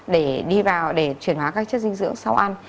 để đi vào để chuyển hóa các chất dinh dưỡng sau ăn